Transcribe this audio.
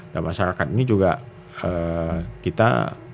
nah masyarakat ini juga kita